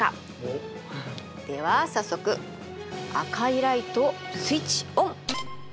では早速赤いライトスイッチオン！